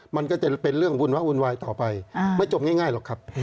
มันก็จะเป็นเรื่องวุ่นวะวุ่นวายต่อไปไม่จบง่ายหรอกครับ